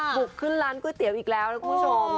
บุกขึ้นร้านก๋วยเตี๋ยวอีกแล้วนะคุณผู้ชม